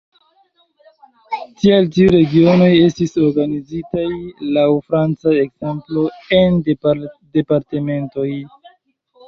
Tial tiu regionoj estis organizitaj laŭ franca ekzemplo en departementoj.